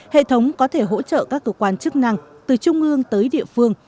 hệ thống có thể hỗ trợ các cơ quan chức năng từ trung ương tới địa phương